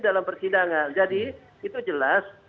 dalam persidangan jadi itu jelas